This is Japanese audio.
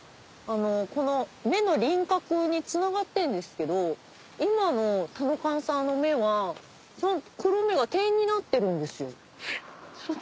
この目の輪郭につながってんですけど今の田の神さぁの目は黒目が点になってるんですよ。